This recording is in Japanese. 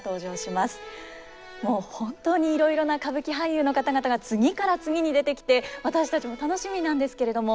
もう本当にいろいろな歌舞伎俳優の方々が次から次に出てきて私たちも楽しみなんですけれども。